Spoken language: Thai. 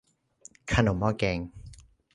ขนมหม้อแกง